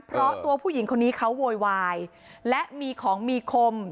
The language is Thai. เพราะตัวผู้หญิงคนนี้เขาโวยวายและมีของมีคม